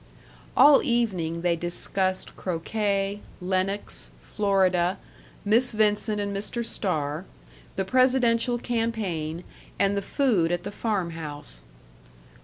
All evening they discussed croquet, Lenox, Florida, Miss Vincent and Mr. Starr, the presidential campaign, and the food at the farm house.